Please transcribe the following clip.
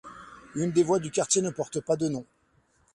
Une des voies du quartier ne porte pas de nom.